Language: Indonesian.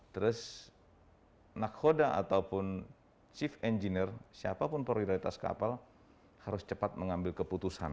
terus nakhoda ataupun chief engineer siapapun prioritas kapal harus cepat mengambil keputusan